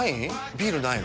ビールないの？